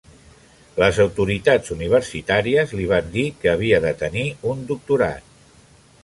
Les autoritats universitàries li van dir que havia de tenir un doctorat.